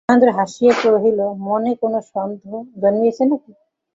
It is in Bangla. মহেন্দ্র হাসিয়া কহিল, মনে কোনো সন্দেহ জন্মিয়াছে না কি।